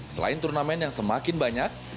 selain turnamen yang semakin banyak